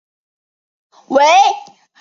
为会员。